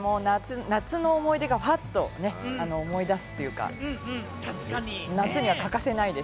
夏の思い出をぱっと思い出すというか、夏には欠かせないです。